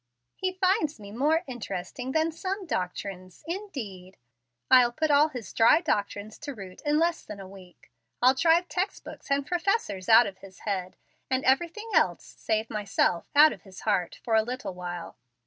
"He finds me 'more interesting than some doctrines,' indeed! I'll put all his dry doctrines to rout in less than a week. I'll drive text books and professors out of his head, and everything else (save myself) out of his heart, for a little while.